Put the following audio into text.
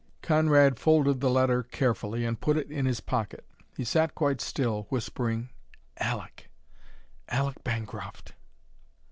Conrad folded the letter carefully, and put it in his pocket. He sat quite still, whispering "Aleck! Aleck Bancroft!"